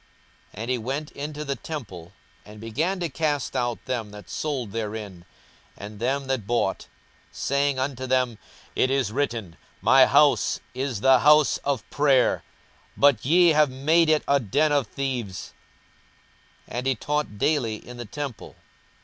42:019:045 And he went into the temple, and began to cast out them that sold therein, and them that bought; 42:019:046 Saying unto them, It is written, My house is the house of prayer: but ye have made it a den of thieves. 42:019:047 And he taught daily in the temple.